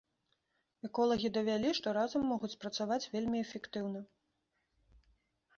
Эколагі давялі, што разам могуць спрацаваць вельмі эфектыўна.